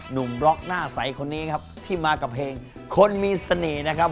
บล็อกหน้าใสคนนี้ครับที่มากับเพลงคนมีเสน่ห์นะครับ